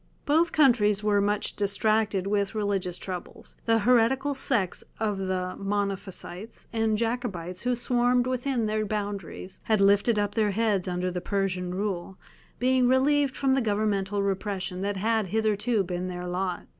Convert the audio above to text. Both countries were much distracted with religious troubles; the heretical sects of the Monophysites and Jacobites who swarmed within their boundaries had lifted up their heads under the Persian rule, being relieved from the governmental repression that had hitherto been their lot.